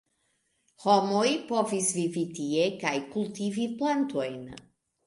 Homoj povis vivi tie kaj kultivi plantojn.